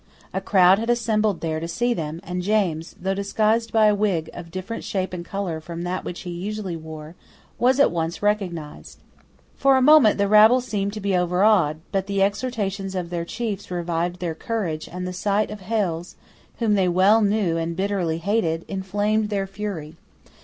A crowd had assembled there to see them; and James, though disguised by a wig of different shape and colour from that which he usually wore, was at once recognised. For a moment the rabble seemed to be overawed: but the exhortations of their chiefs revived their courage; and the sight of Hales, whom they well knew and bitterly hated, inflamed their fury.